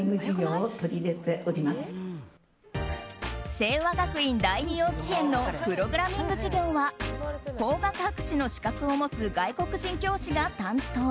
聖和学院第二幼稚園のプログラミング授業は工学博士の資格を持つ外国人教師が担当。